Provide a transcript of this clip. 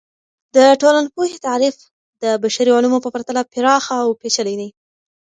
د ټولنپوهنې تعریف د بشري علومو په پرتله پراخه او پیچلي دی.